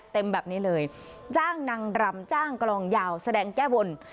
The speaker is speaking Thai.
เต็มแบบนี้เลยจ้างนางรำจ้างกลองยาวแสดงแก้บน